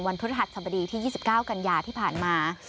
พฤหัสสบดีที่๒๙กันยาที่ผ่านมา